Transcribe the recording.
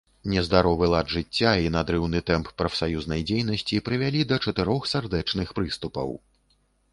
Нездаровы лад жыцця і надрыўны тэмп прафсаюзнай дзейнасці прывялі да чатырох сардэчных прыступаў.